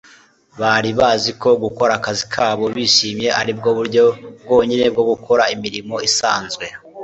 Bari bazi ko gukora akazi kabo bishimye aribwo buryo bwonyine bwo gukora imirimo isanzwe